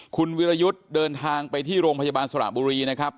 คุณวิรยุทธ์เดินทางไปที่โรงพยาบาลสระบุรีนะครับ